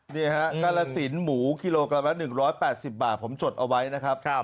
นี่ฮะกาลสินหมูกิโลกรัมละ๑๘๐บาทผมจดเอาไว้นะครับ